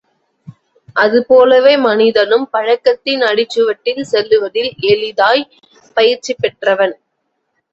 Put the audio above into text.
அதுபோலவே மனிதனும் பழக்கத்தின் அடிச்சுவட்டில் செல்லுவதில் எளிதாய் பயிற்சி பெற்றவன்.